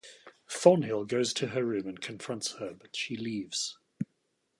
Thornhill goes to her room and confronts her, but she leaves.